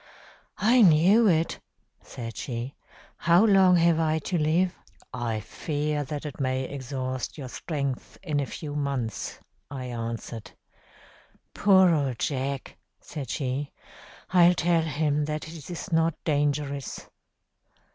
'I knew it,' said she. 'How long have I to live?' 'I fear that it may exhaust your strength in a few months,' I answered. 'Poor old Jack!' said she. 'I'll tell him that it is not dangerous.'